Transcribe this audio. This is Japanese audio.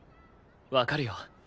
わかるよ。